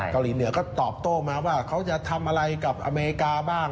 เกาหลีเหนือก็ตอบโต้มาว่าเขาจะทำอะไรกับอเมริกาบ้าง